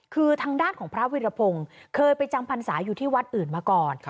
คือทางด้านของพระวิรพงศ์เคยไปจำพรรษาอยู่ที่วัดอื่นมาก่อน